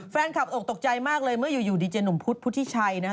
แฟนคลับออกตกใจมากเลยเมื่ออยู่ดิจัยหนุ่มพุธพุธิชัยนะครับ